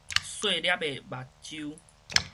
細粒的目睭